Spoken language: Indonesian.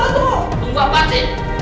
tunggu apaan sih